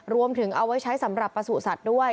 รวมถึงเอาไว้ใช้สำหรับประสูจนสัตว์ด้วย